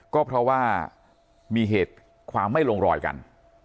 ก็เพราะว่ามีเหตุความไม่ลงรอยกัน